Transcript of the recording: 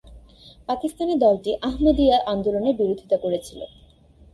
পাকিস্তানে দলটি আহমদিয়া আন্দোলনের বিরোধিতা করেছিল।